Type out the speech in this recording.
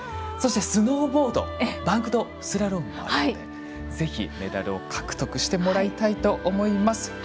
そしてスノーボードのバンクドスラロームではぜひメダルを獲得してもらいたいと思います。